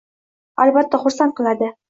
– Albatta xursand qiladi.